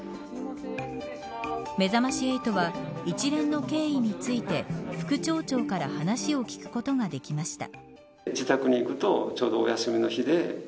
めざまし８は一連の経緯について副町長から話を聞くことができました。